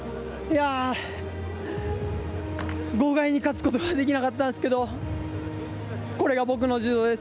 豪快に勝つことができなかったんですけどこれが僕の柔道です。